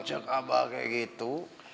si abah kayak gitu